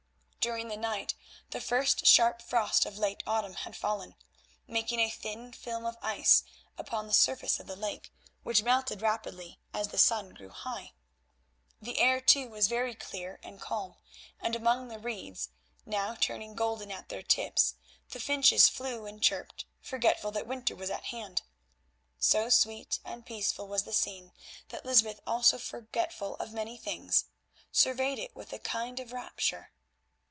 During the night the first sharp frost of late autumn had fallen, making a thin film of ice upon the surface of the lake, which melted rapidly as the sun grew high. The air too was very clear and calm, and among the reeds, now turning golden at their tips, the finches flew and chirped, forgetful that winter was at hand. So sweet and peaceful was the scene that Lysbeth, also forgetful of many things, surveyed it with a kind of rapture.